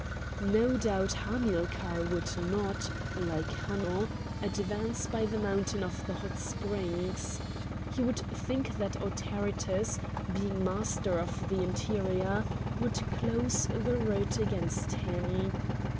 No doubt Hamilcar would not, like Hanno, advance by the mountain of the Hot Springs. He would think that Autaritus, being master of the interior, would close the route against him.